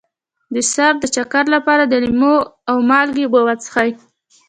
د سر د چکر لپاره د لیمو او مالګې اوبه وڅښئ